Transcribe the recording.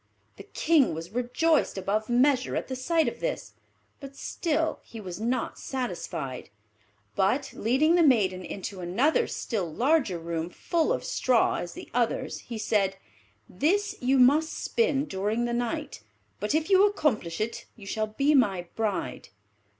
The King was rejoiced above measure at the sight of this, but still he was not satisfied, but, leading the maiden into another still larger room, full of straw as the others, he said, "This you must spin during the night; but if you accomplish it you shall be my bride."